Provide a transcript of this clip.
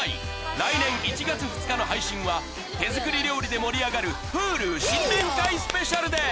来年１月２日の配信は手作り料理で盛り上がるＨｕｌｕ新年会スペシャルです